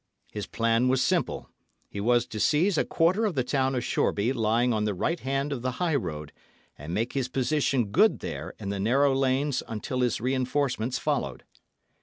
His plan was simple. He was to seize a quarter of the town of Shoreby lying on the right hand of the high road, and make his position good there in the narrow lanes until his reinforcements followed.